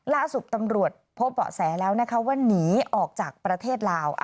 ล่าสุดตำรวจพบเบาะแสแล้วนะคะว่าหนีออกจากประเทศลาว